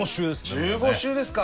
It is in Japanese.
１５週ですか。